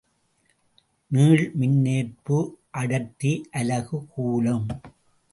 நீள் மின்னேற்பு அடர்த்தி அலகு கூலும்.